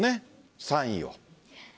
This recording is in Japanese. ３位を。